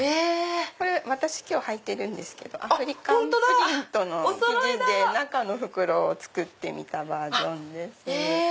私今日はいてるんですけどアフリカンプリントの生地で中の袋を作ってみたバージョンです。